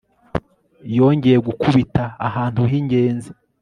yongeye gukubita ahantu h'ingenzi